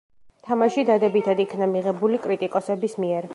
თამაში დადებითად იქნა მიღებული კრიტიკოსების მიერ.